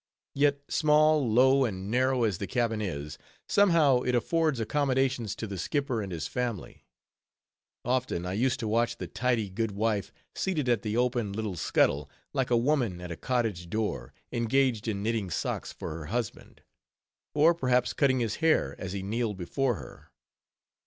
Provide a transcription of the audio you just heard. Yet small, low, and narrow as the cabin is, somehow, it affords accommodations to the skipper and his family. Often, I used to watch the tidy good wife, seated at the open little scuttle, like a woman at a cottage door, engaged in knitting socks for her husband; or perhaps, cutting his hair, as he kneeled before her.